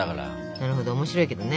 なるほど面白いけどね。